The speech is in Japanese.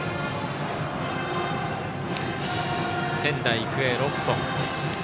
仙台育英６本。